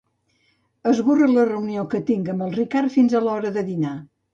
Esborra la reunió que tinc amb el Ricard fins a l'hora de dinar.